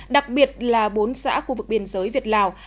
đặc biệt là bốn xã khu vực biên giới việt lào